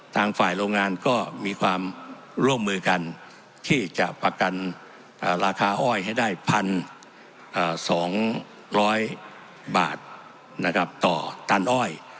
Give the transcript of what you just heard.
ทางฝ่ายโรงงานก็มีความร่วมมือกันที่จะประกันราคาอ้อยให้ได้๑๒๐๐บาทนะครับต่อตานอ้อย